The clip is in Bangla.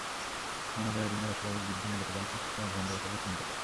অনাদায়ি ঋণের অস্বাভাবিক বৃদ্ধি মূলত ব্যাংকিং সিস্টেমের ভঙ্গুরতাকেই চিহ্নিত করে।